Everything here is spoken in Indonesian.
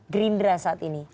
gerindra saat ini